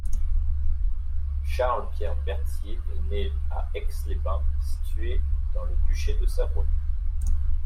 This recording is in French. Charles Pierre Bertier est né le à Aix-les-Bains, située dans le duché de Savoie.